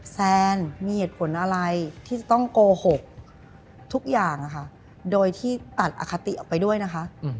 แซนมีเหตุผลอะไรที่จะต้องโกหกทุกอย่างนะคะโดยที่ตัดอคติออกไปด้วยนะคะ